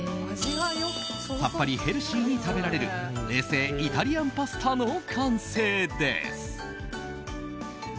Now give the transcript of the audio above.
さっぱりヘルシーに食べられる冷製イタリアンパスタの完成です。